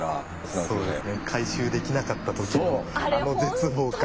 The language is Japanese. そうですね回収できなかった時のあの絶望感は。